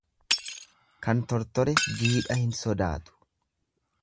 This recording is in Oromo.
Kan tortore jiidha hin sodaatu.